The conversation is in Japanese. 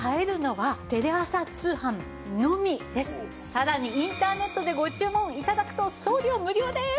さらにインターネットでご注文頂くと送料無料です！